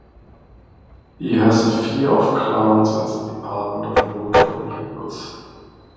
He has a fear of clowns and the Department of Motor Vehicles.